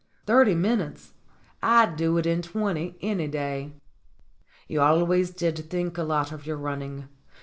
"Thirty minutes ! I'd do it in twenty any day." "You always did think a lot of your running.